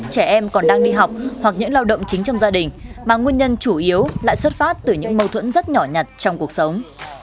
trẻ em còn đang đi học hoặc những lao động chính trong gia đình mà nguyên nhân chủ yếu lại xuất phát từ những mâu thuẫn rất nhỏ nhặt trong cuộc sống